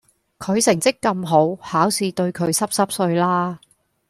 佢成績咁好，考試對佢濕濕碎啦